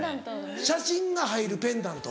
写真が入るペンダント？